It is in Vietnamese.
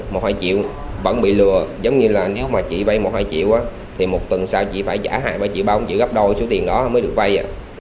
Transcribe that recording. một hai triệu vẫn bị lừa giống như là nếu mà chị vai một hai triệu thì một tuần sau chị phải trả hai ba chữ ba chữ gấp đôi số tiền đó mới được vai